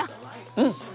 うん！